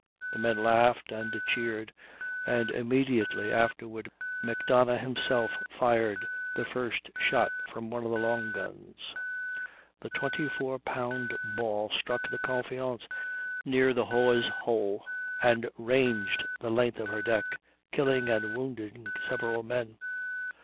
The men laughed and cheered; and immediately afterward Macdonough himself fired the first shot from one of the long guns. The 24 pound ball struck the Confiance near the hawse hole and ranged the length of her deck, killing and wounding several men.